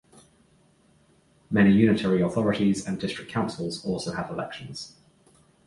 Many unitary Authorities and District councils also had elections.